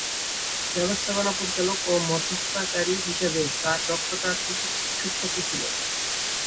ব্যবস্থাপনা পরিচালক ও মধ্যস্থতাকারী হিসাবে তার দক্ষতার সুখ্যাতি ছিল।